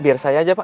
biar saya aja pak